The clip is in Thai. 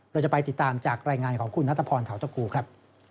เราจะไปติดตามจากรายงานของคุณนัทพรเทาตะกูครับ